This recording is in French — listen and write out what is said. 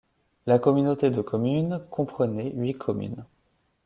La communauté de communes comprenait huit communes.